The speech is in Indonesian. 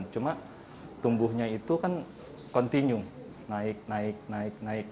cuma tumbuhnya itu kan continue naik naik naik naik